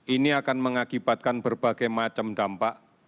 ini akan mengakibatkan berbagai macam dampak